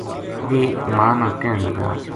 ویہ ماں نا کہن لگا